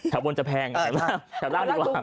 แถวบนจะแพงครับแถวล่างดีกว่า